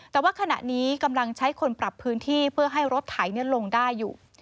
แต่ว่าขณะนี้กำลังใช้คนปรับพื้นที่เพื่อให้รถไถลงได้อยู่